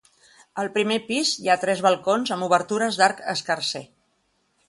Al primer pis hi ha tres balcons amb obertures d'arc escarser.